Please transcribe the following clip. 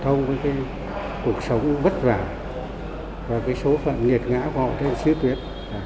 thông với cái cuộc sống vất vả và cái số phận nhiệt ngã của họ trên sứ tuyết